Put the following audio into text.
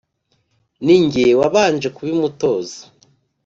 Ni jye wabanje kubimutoza!